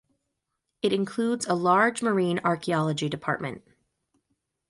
It includes a large marine archaeology department.